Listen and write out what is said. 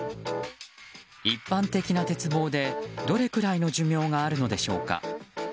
一般的な鉄棒でどれくらいの寿命があるのでしょうか。